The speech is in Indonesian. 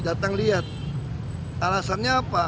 alasan apa yang harus terjadi